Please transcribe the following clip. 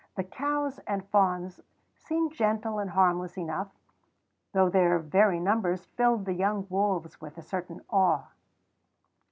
The cows and fawns seemed gentle and harmless enough, though their very numbers filled the young wolves with a certain awe.